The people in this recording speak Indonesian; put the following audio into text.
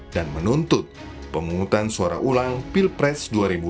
dan menuntut pemungutan suara ulang pilpres dua ribu dua puluh empat